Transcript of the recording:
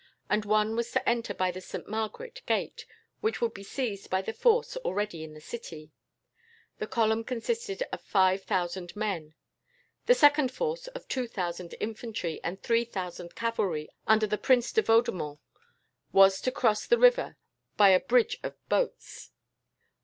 The one was to enter by the Saint Margaret gate, which would be seized by the force already in the city. This column consisted of five thousand men. The second force, of two thousand infantry and three thousand cavalry, under the Prince de Vaudemont, was to cross the river by a bridge of boats.